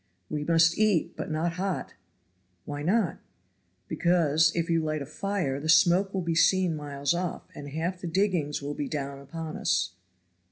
"We must eat, but not hot." "Why not?" "Because, if you light a fire, the smoke will be seen miles off, and half the diggings will be down upon us.